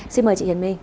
xin mời chị hiền minh